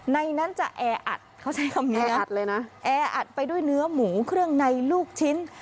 ในนั้นจะแออัดเขาใช้คำนี้อัดเลยนะแออัดไปด้วยเนื้อหมูเครื่องในลูกชิ้น